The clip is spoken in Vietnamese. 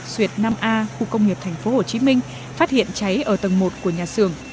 xuyệt năm a khu công nghiệp tp hcm phát hiện cháy ở tầng một của nhà xưởng